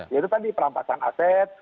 yaitu tadi perampasan aset